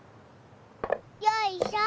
よいしょ！